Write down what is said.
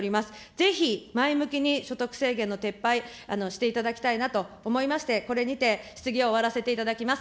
ぜひ、前向きに所得制限の撤廃していただきたいなと思いまして、これにて質疑を終わらせていただきます。